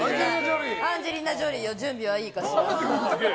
アンジェリーナ・ジョリーよ準備はいいかしら。